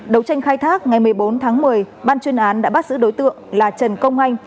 đấu tranh khai thác ngày một mươi bốn tháng một mươi ban chuyên án đã bắt giữ đối tượng là trần công anh